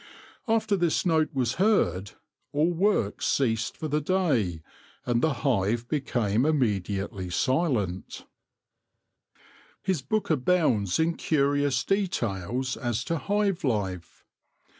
After this note was heard, all work ceased for the day, and the hive became immediately silent. THE ANCIENTS AND THE HONEY BEE n His book abounds in curious details as to hive life.